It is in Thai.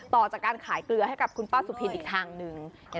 ต่อจากการขายเกลือให้กับคุณป้าสุพินอีกทางหนึ่ง